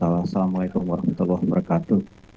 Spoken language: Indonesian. assalamu alaikum warahmatullahi wabarakatuh